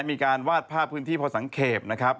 มีการวาดภาพพื้นที่พอสังเกตนะครับ